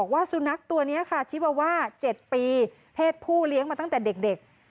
ว่าสุนัขตัวนี้ค่ะชีวาว่า๗ปีเพศผู้เลี้ยงมาตั้งแต่เด็ก